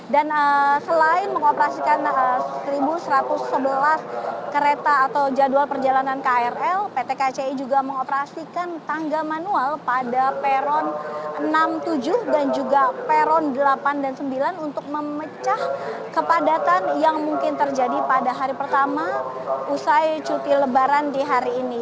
dan selain mengoperasikan seribu satu ratus sebelas kereta atau jadwal perjalanan krl pt kci juga mengoperasikan tangga manual pada peron enam tujuh dan juga peron delapan dan sembilan untuk memecah kepadatan yang mungkin terjadi pada hari pertama usai cuti lebaran